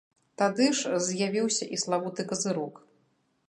Тады ж з'явіўся і славуты казырок.